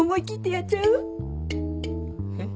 えっ？